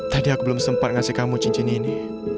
tadi aku belum sempat ngasih kamu cincin ini